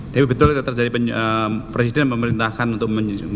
tapi betul itu terjadi presiden pemerintahkan untuk